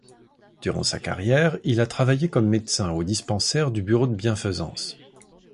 Durant sa carrière, il a travaillé comme médecin au dispensaire du bureau de bienfaisance.